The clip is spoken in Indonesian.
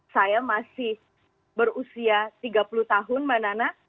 saya masih berusia tiga puluh tahun manana